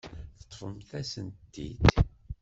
Teṭṭfemt-as-tent-id.